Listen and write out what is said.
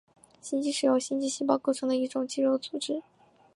心肌是由心肌细胞构成的一种肌肉组织。